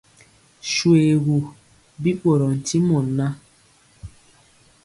Shoégu, bi ɓorɔɔ ntimɔ ŋan.